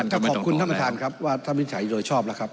ก็ขอบคุณท่านประธานครับว่าท่านวิจัยโดยชอบแล้วครับ